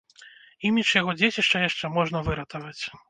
Імідж яго дзецішча яшчэ можна выратаваць.